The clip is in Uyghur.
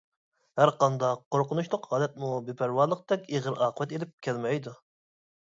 ھەرقانداق قورقۇنچلۇق ھالەتمۇ بىپەرۋالىقتەك ئېغىر ئاقىۋەت ئېلىپ كەلمەيدۇ.